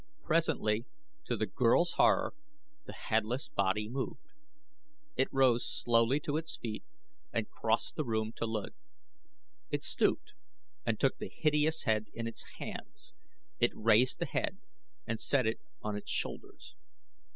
Presently, to the girl's horror, the headless body moved. It rose slowly to its feet and crossed the room to Luud; it stooped and took the hideous head in its hands; it raised the head and set it on its shoulders.